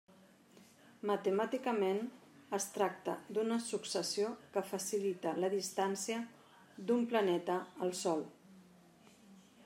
Matemàticament es tracta d'una successió que facilita la distància d'un planeta al Sol.